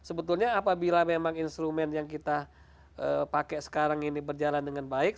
sebetulnya apabila memang instrumen yang kita pakai sekarang ini berjalan dengan baik